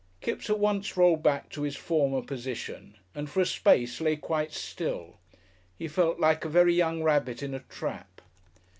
Kipps at once rolled back to his former position, and for a space lay quite still. He felt like a very young rabbit in a trap.